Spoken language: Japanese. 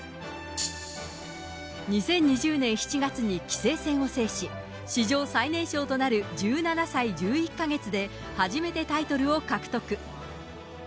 ２０２０年７月に棋聖戦を制し、史上最年少となる１７歳１１か月で初めてタイトルを獲得。